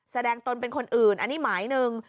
ตนเป็นคนอื่นอันนี้หมายหนึ่ง